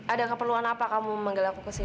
ada keperluan apa kamu manggil aku kesini